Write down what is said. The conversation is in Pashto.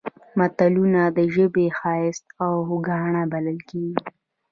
متلونه د ژبې ښایست او ګاڼه بلل کیږي